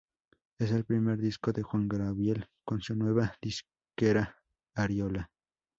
Es el primer disco de Juan Gabriel con su nueva disquera: Ariola.